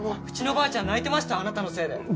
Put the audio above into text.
うちのばあちゃん泣いてましたあなたのせいで。